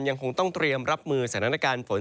ยังคงต้องเตรียมรับมือสถานการณ์ฝน